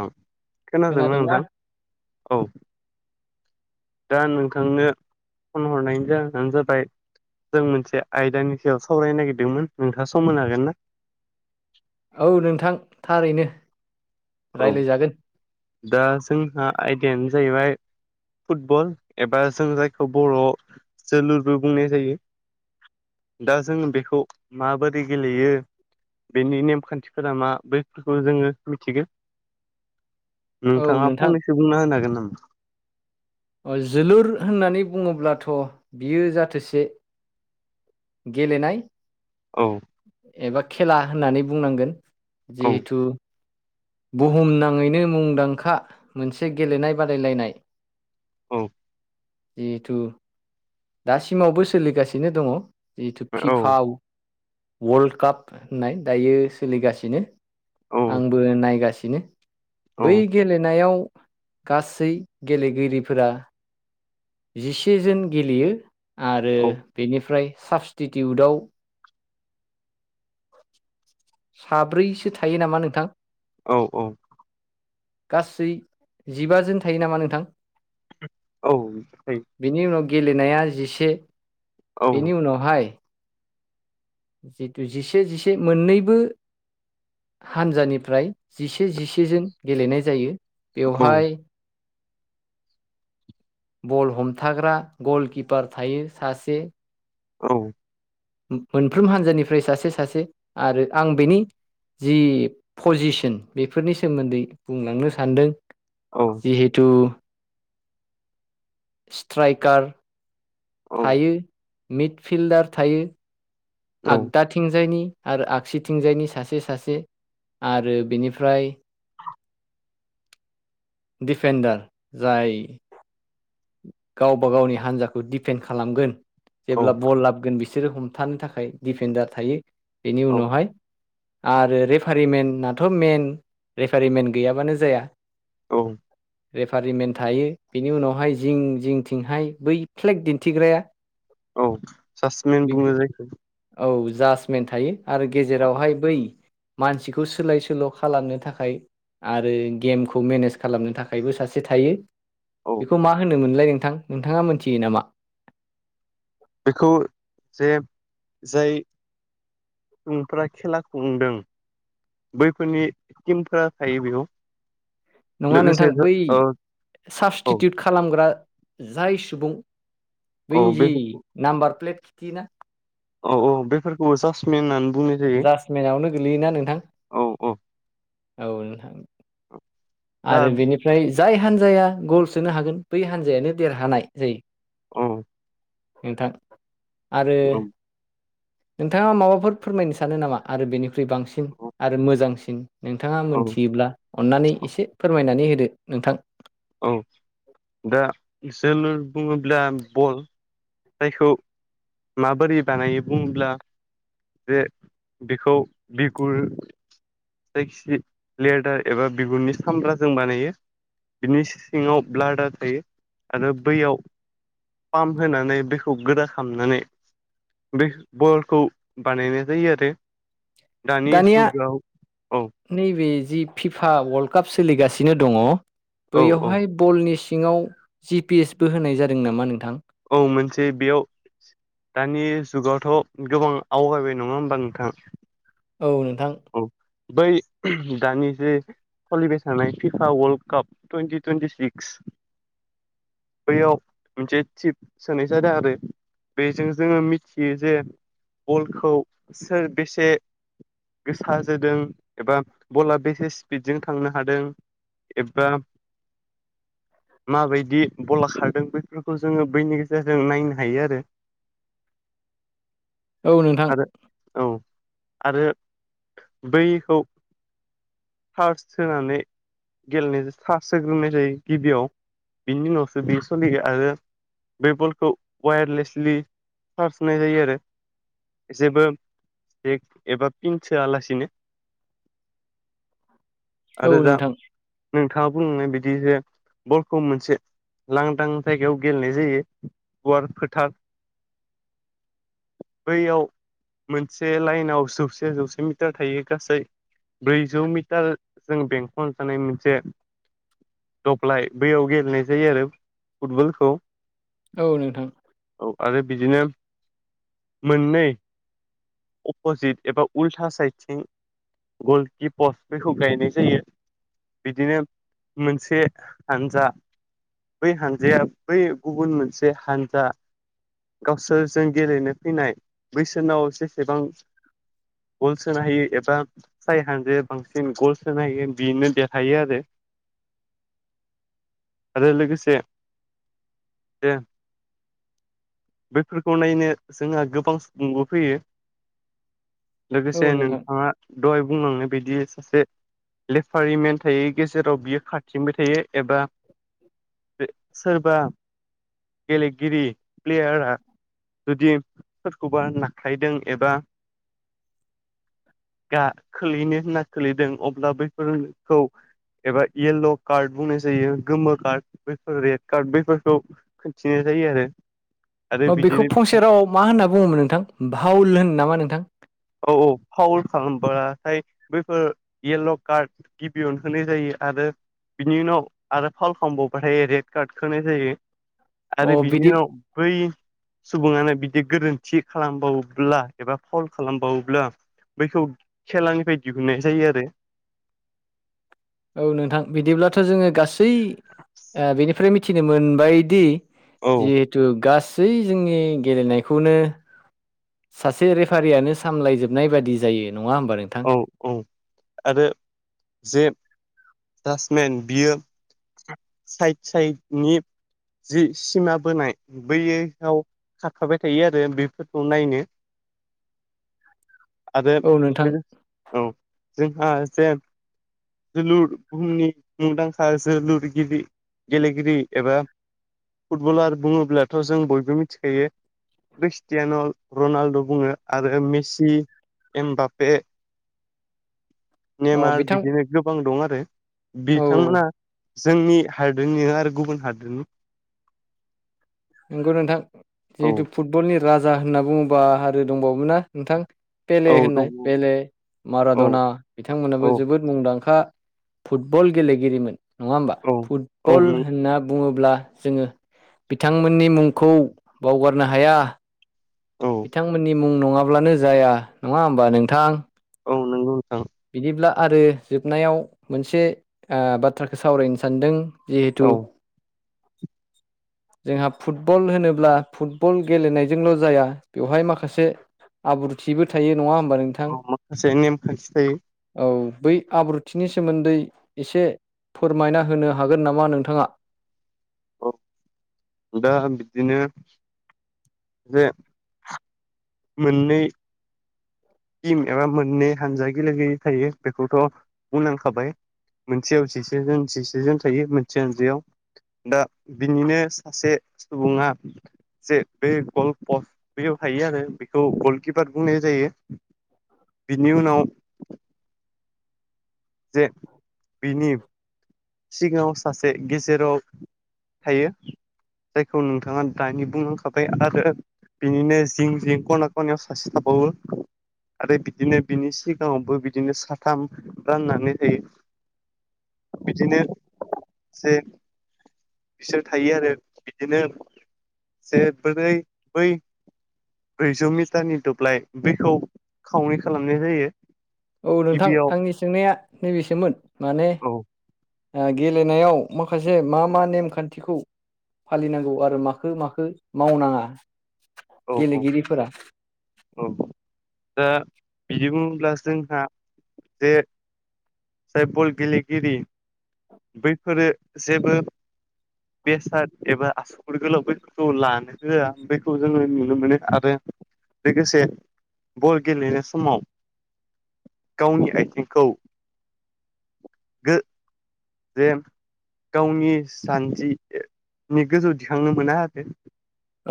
औ खोनादोंना नोंथां औ। दा नोंथांनो फन हरनायनि जाहोनानो जाबाय। जों मोनसे आयदानि सायाव सावरायनो नागिरदोंमोन नोंथाङा सम होनो हागोन ना। औ नोंथां थारैनो। औ रायलायजागोन दा जोंहा आयदायानो जाहैबाय। फुटबल एबा जों जायखौ बर'आव जोलुरबो बुंनाय जायो। दा जों बेखौ माबोरै गेलेयो बेनि नेमखान्थिफोरा मा बैफोरखौ जोङो मिथिगो औ नोंथाङा नोंथां फंनैसो बुंना होनो हागोन नामा? अ जोलुर होननानै बुङोब्लाथ' बियो जाथोसे। गेलेनाय औ। एबा खेला होननानै बुंनांगोन औ जिहेथु बुहुमनाङैनो मुंदांखा मोनसे गेलेनाय बादायलायनाय। औ। जिहेथु दासिमावबो सोलिगासिनो दङ'। जिथु औ फिफा वर्ल्ड काप होननाय दायो सोलिगासिनो औ आंबो नायगासिनो। औ बै गेलेनायाव गासै गेलेगिरिफोरा‌ जिसे जोन गेलेयो आरो औ बेनिफ्राय साबस्टिटिउटआव साब्रैसो थायो नामा नोंथां? औ औ। गासै जिबाजोन थायो नामा नोंथां? औै थायो। बेनि उनाव गेलेनाया जिसे बेनि उनावहाय। जिथु जिसे जिसे मोननैबो हानजानिफ्राय। जिसे जिसे जोन गेलेनाय जायो। औ बेवहाय बल हमथाग्रा गलकिपार थायो सासे। औ मोनफ्रोम हानजानिफ्राय सासे सासे आरो आं बेनि। जि पजिसन बेफोरनि सोमोन्दै बुंलांनो सान्दों। औ जिहेतु स्ट्राइकार औ थायो मिडफिल्डार थायो औ आगदाथिंजायनि आरो आगसिथिंजायनि सासे सासे आरो बिनिफ्राय। डिफेडार जाय। गावबा गावनि हान्जाखौ डिफेन्ड खालामगोन औ जेब्ला बल लाबगोन बिस सोरो हमथानो थाखाय डिफेन्डार थायो बेनि औ उनावहाय आरो रेफारिमेननाथ' मेइन रेफारिमेन गैयाबानो जाया। औ। रेफारिमेन थायो बिनि उनावहाय जिं जिं थिंहाय बै फ्लेग दिन्थिग्राया। औ सासमेन बे बुङो जायखौ औ जासमेन थायो आरो औ गेजेरावहाय बै। मानसिखौ सोलाय सोल' खालामनो थाखाय आरो गेमखौ मेनेज खालामनो थाखायबो सासे थायो। औ बेखौ मा होनो मोनलाय नोंथां नोंथाङा मोनथियो नामा? बेखौ जे जाय सुबुंफ्रा खेलाखौ खुंदों बैफोरनि टिमफोरा थायो बेयाव नङा लोगोसे नोंथां बै औ औ साबस्टिटिउट खालामग्रा जाय सुबुं औ बेैजि बेफोरखौ नाम्बार प्लेट खिथियोना औ औ बेफोरखौबो जासमिनानो होन जासमेनावनो गोलैयोना औ औ नोंथां औ नोंथां दा आरो बेनिफ्राय जाय हान्जाया गल सोनो हागोन बै हान्जायानो देरहानाय जायो औ नोंथां आरो औ नोंथाङा माबाफोर फोरमायनो सानो नामा आरो बेनिख्रुइ बांसिन आरो मोजांसिन नोंथाङा औ मोनथियोब्ला अन्नानै एसे फोरमायनानै होदो नोंथां औ दा जोलुर बुङोब्ला बल जायखौ माबोरै बानायो बुङोब्ला जे बिखौ बि गुर जायखि लेडार एबा बिगुरनि सामब्राजों बानायो बिनि सिङाव ब्लाडार थायो आरो बैयाव पाम्प होनानै बेखौ गोदा खालामनानै बे बलखौ बानायनाय जायो आरो दानि दानिया जुगाव औ नैबे जि फिफा वल्डकाप सोलिगासिनो दङ औ औ बैयावहाय बलनि सिङाव जि पिएस बो होनाय जादों नामा नोंथां औ मोनसे बेयाव दानि जुगावथ' गोबां आवगायबाय नङा होमबा नोंथाङा औ नोंथां बै दानि जो सलिबायथारशनाय FIFA world cup twenty twenty six बैयाव मोनसे थिप सोनाय जादों आरो बेजों जोङो मिथियो जे बलखौ सोर बेसे गोसाजोदों एबा बला बेसे स्पिडजों थांनो हादों एबा माबायदि बला खारदों बैफोरखौ जोङो बैनि गेजेरजों नायनो हायो आरो [unintelligible] औ नोंथां औ आरो आरो बैखौ सारस सोनानै गेलेनायजों सासहोग्रोनाय जायो गिबियाव बिनि उनावसो बे सोलिगोन आरो बे बलखौ वायारलेसलि चार्ज होनाय जायो आरो जेबो एबा फिनसोआलासिनो औ नोंथां नोंथाङा बुंनाय बदि जे बलखौ मोनसे लांदां जायगायाव गेलेनाय जायो गुवार फोथार बैयाव मोनसे लाइनाव जौसे बे जौसे मिटार थायो गासै ब्रैजौ मिटार जों बेंखन थानाय मोनसे दब्लाय बैयाव गेलेनाय जायो आरो फुटबलखौ औ नोंथां औ आरो बिदिनो मोननै अपजित एबा उल्था साइडथिं गलकिपस बेखौ गायनाय जायो बिदिनो मोनसे हानजा बै हानजाया बै गुबुन मोनसे हानजा गावसोरजों गेलेनो फैनाय बैसोरनाव जेसेबां गल सोनो हायो एबा फाइभ हानद्रेद बांसिन गल्स सोनो हायो बिनो देरहायो आरो [unintelligible] आरो लोगोसे जे बेफोरखौ नायनो जोंहा गोबां नबो फैयो औ लोगोसे नोंथां नोंथाङा दहाय बुंलांनो बिदि सासे लेफारि मेन थायैनि गेजेराव बियो खाथिंबाय थायो एबा सोरबा गेलेगिरि प्लेयारा जुदि सोरखौबा नाख्लायदों एबा गा खोलैनो होनना खोलैदों अब्ला बैफोरफोरखौ एबा येल्ल' कार्ड बुंनाय जायो गोमो कार्ड बेफोर रेड कार्ड बैफोरखौ दिन्थि रो आरो। आरो औ बेखौ बिदिनो फंसे बिथां रावाव मा होनना बुङोमोन नोंथां भाल होनो नामा नोंथां औ औ पावार खालामबाथाय बैफोर येल्ल' कार्ड गिबियावनो होनाय जायो। आरो बिनि उनाव आरो फाव खालामबावबाथाय रेड कार्ड होनाय जायो। अ आरो बिनि बिदि उनाव बै सुबुङानो बिदि गोरोन्थि खालामबावोब्ला एबा फावल खालामबावोब्ला बैखौ खेलानिफ्राय दिहुननाय जायो आरो। औ नोंथां बिदिब्लाथ' जोङो गासै बेनिफ्राय मिथिनो मोनबायदि औ जिहेथु गासै जोंनि गेलेनायखौनो सासे रेफारियानो सामलायजोबनाय बादि जायो। नङा होमबा नोंथां। औ औ आरो जे जासमेन बियो साइड साइडनि जि सिमा बोनाय बैयाव खारफाबाय थायो आरो बेफोरखौ नायनो आरो औ नोंथां औ जोंहा एसे जोलुर बुहुमनि मुंदांखा जोलुरगिरि गेलेगिरि एबा फुटबलार बुङोब्लाथ' जों बयबो मिथिखायो क्रिस्टियान' रनाल्द' बुङो आरो मेसि एमबापे अ नेमार बिथां बिदिनो गोबां दं आरो औ बिथांमोना जोंनि हादोरनि नङा आरो गुबुन हादोरनि नंगौ नोंथां औ जिहेतु फुटबलनि राजा होनना बुङोबा आरो दंबावोमोन ना नोंथां बेले औ होननाय दङ बेले औ मारादना बिथांमोनाबो जोबोद मुंदांखा। फुटबल गेलेगिरिमोन नङा होमबा औ औ फुटबल नों होनना बुङोब्ला जोङो बिथांमोननि मुंखौ बावगारनो हाया औ बिथांमोननि मुं नङाब्लानो जाया नङा होमबा नोंथां। औ नोंगौ नोंथां। बिदिब्ला आरो जोबनायाव मोनसे बाथ्राखौ सावरायनो सानदों। जिहेथु औ जोंहा फुटबल होनोब्ला फुटबल गेलेनायजोंल' जाया बेवहाय माखासे आब्रुथिबो थायो नङा होमबा नोंथां औ माखासे नेमखान्थि थायो औ बै आब्रुथि बिनि सोमोन्दै एसे फोरमायना होनो हागोन नामा नोंथाङा। औ दा बिदिनो जे मोननै टिम एबा मोननै हानजा गेलेगिरि थायो बेखौथ' बुंलांखाबाय मोनसेयाव जिसेजन जिसेजोन थायो मोनसे हानजायाव दा बिनिनो सासे सुबुङा जे बे गल पस्ट बेयाव हायो आरो बेखौ गलकिपार बुंनाय जायो बिनि उनाव जे बिनि सिगाङाव सासे गेजेराव थायो जायखौ नोंथाङा दानि बुंलांखाबाय आरो बिनिनो जिं जिं खना खनाययाव सासे थाबावो आरो बिदिनो बिनि सिगाङावबो बिदिनो साथाम राननानै लायो बिदिनो जे बिसोर थायो आरो बिदिनो जे बोरै बै ब्रैजौ मिटारनि दुब्लाय बेखौ खावनै खालामनाय जायो औ नोंथां गिबियाव आंनि सोंनाया नैबेसोमोन माने औ गेलेनायाव माखासे मा मा नेमखान्थिखौ फालिनांगौ आरो माखो माखो मावनाङा औ औ गेलेगिरिफोरा औ दा बिदि बुङोब्ला जोंहा जे जाय बल गेलेगिरि बैफोरो जेबो बेसाद एबा आसुगुर गोलाव बेफोरखौ लानो होया बेखौ जोङो नुनो मोनो आरो लोगोसे बल गेलेनाय समाव गावनि आथिंखौ गो [unintelligible] गावनि जान्जिनि गोजौ दिखांनो मोना आरो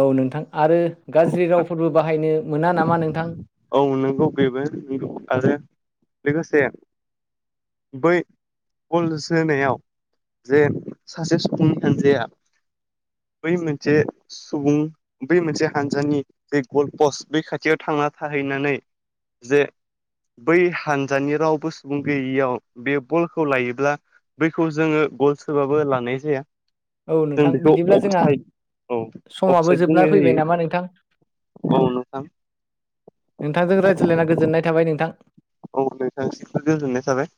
औ नोंथां आरो गाज्रि रावफोरबो बाहायनो मोना नामा नोंथां औ नोंगौ बेबो आरो लोगोसे बै गल जोनायाव जे सासे सुबुंनि हानजाया बै मोनसे सुबुं बै मोनसे हानजानि जे गल् पस्ट बै खाथियाव थांना थाहैनानै जे बै हानजानि रावबो सुबुं गैयियाव बे बलखौ लायोब्ला बैखौ जोङो गल सोबाबो लानाय जाया औ जों नोंथां बेखौ बिदिब्ला जोंहा अफसाइड औ समाबो अफसाइड जोबना बुंनाय फैबाय जायो नामा नोंथां औ नोंथां नोंथांजों रायज्लायना गोजोननाय थाबाय नोंथां औ नोंथांनिसिमबो गोजोननाय थाबाय